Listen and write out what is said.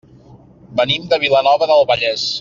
Venim de Vilanova del Vallès.